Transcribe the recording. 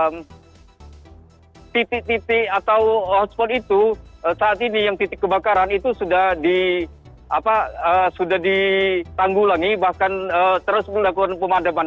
nah titik titik atau hotspot itu saat ini yang titik kebakaran itu sudah ditanggulangi bahkan terus melakukan pemadaman